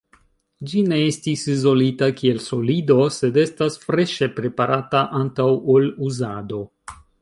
Ĝi ne estis izolita kiel solido, sed estas freŝe preparata antaŭ ol uzado.